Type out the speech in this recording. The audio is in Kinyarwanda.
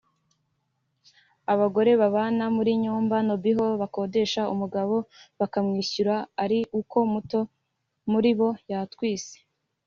abagore babana muri Nyumba Ntobhu bakodesha umugabo bakamwishyura ari uko umuto muri bo yatwise